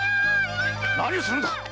何をするんだ！